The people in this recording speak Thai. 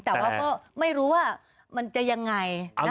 แต่ว่าก็ไม่รู้ว่ามันจะยังไง